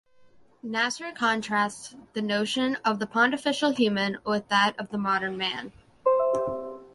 Nasr contrasts the notion of the pontifical human with that of the modern man.